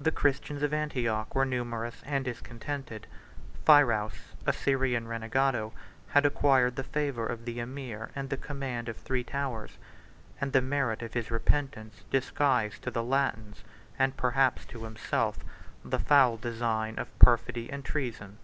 The Christians of Antioch were numerous and discontented: Phirouz, a Syrian renegado, had acquired the favor of the emir and the command of three towers; and the merit of his repentance disguised to the Latins, and perhaps to himself, the foul design of perfidy and treason.